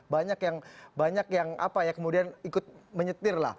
banyak yang kemudian ikut menyetir lah